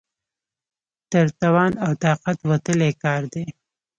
تر توان او طاقت وتلی کار دی.